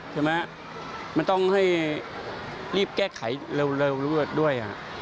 ใช่ไหมมันต้องให้รีบแก้ไขเร็วด้วย